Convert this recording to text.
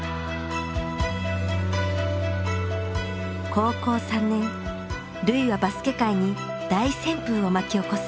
高校３年瑠唯はバスケ界に大旋風を巻き起こす。